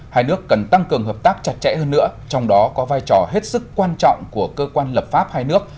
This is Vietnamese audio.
hai nước cần tăng cường hợp tác chặt chẽ hơn nữa trong đó có vai trò hết sức quan trọng của cơ quan lập pháp hai nước